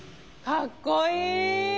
かっこいい。